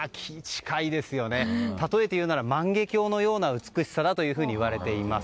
例えて言うなら万華鏡のような美しさだといわれています。